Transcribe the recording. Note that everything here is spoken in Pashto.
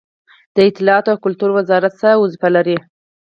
د اطلاعاتو او کلتور وزارت څه دنده لري؟